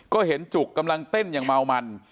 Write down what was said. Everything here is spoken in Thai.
ก็เห็นจุกกำลังเต้นอย่างเมามัน